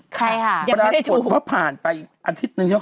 ใครค่ะยังไม่ได้โทรพอผ่านไปอาทิตย์นึงใช่ไหม